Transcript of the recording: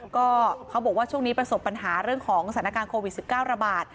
ก็เขาบอกว่าช่วงนี้ประสบปัญหาเรื่องของสถานการณ์โควิด๑๙ระบาด